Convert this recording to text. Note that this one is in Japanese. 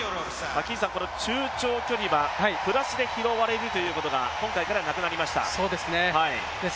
中長距離はプラスで拾われることがなくなりました。